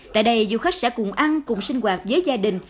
tại đây du khách sẽ cùng ăn cùng sinh hoạt với gia đình